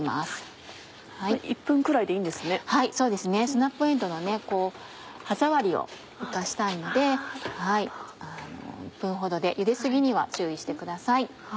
スナップえんどうは歯触りを生かしたいので１分ほどでゆで過ぎには注意してください。